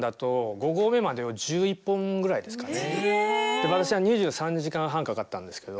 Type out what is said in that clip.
で私は２３時間半かかったんですけど。